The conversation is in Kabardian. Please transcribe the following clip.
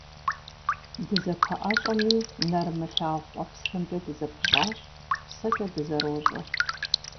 Дызэпэӏэщӏэми, нэрымылъагъу къуэпсхэмкӏэ дызэпыщӏащ, псэкӏэ дызэрощӏэ.